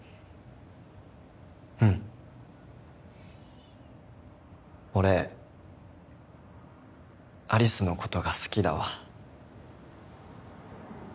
うん俺有栖のことが好きだわ